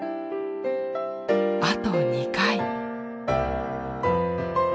あと２回。